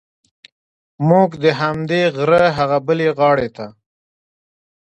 موږ د همدې غره هغې بلې غاړې ته.